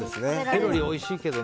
セロリ、おいしいけどね。